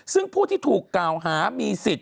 ซึ่งผู้ที่ถูกกล่าวหามีสิทธิ์